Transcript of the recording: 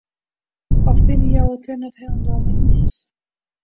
Of binne jo it dêr net hielendal mei iens?